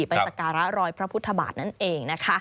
สการะรอยพระพุทธบาทนั่นเองนะคะ